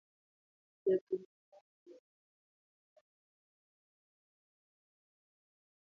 jathum no nolal dwe mar abiriyo tarik apar gi ang'wen,